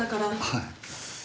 はい。